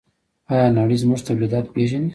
آیا نړۍ زموږ تولیدات پیژني؟